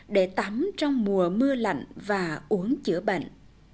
để tắm trong mùa mưa lạnh và uống chữa bệnh